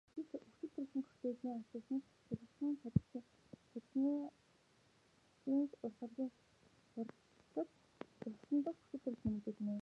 Хүчилтөрөгчийн коктейлийн ач тус нь хялгасан судасны цусны урсгал хурдсаж цусан дахь хүчилтөрөгч нэмэгдэнэ.